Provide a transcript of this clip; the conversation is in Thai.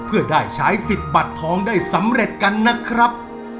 เพื่อได้สูงประชาภาพการมี๑๐บัตรท้องได้สำเร็จันทนนะครับ